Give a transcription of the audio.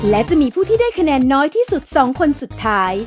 และจะมีผู้ที่ได้คะแนนน้อยที่สุด๒คนสุดท้าย